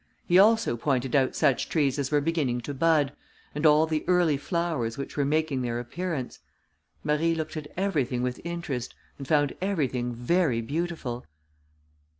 He also pointed out such trees as were beginning to bud, and all the early flowers which were making their appearance. Marie looked at everything with interest, and found everything very beautiful.